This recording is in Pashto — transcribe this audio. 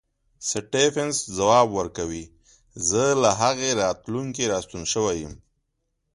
سټېفنس ځواب ورکوي زه له هغې راتلونکې راستون شوی یم.